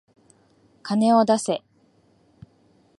金を出せ。